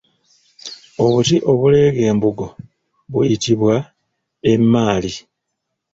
Obuti obuleega embugo buyitibwa Emmaali.